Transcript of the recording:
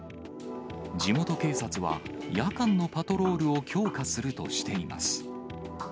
地元警察は、夜間のパトロールを強化するとしています。